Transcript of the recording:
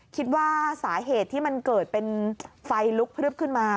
คิดว่าสาเหตุที่มันเกิดเป็นไฟลุกพลึบขึ้นมา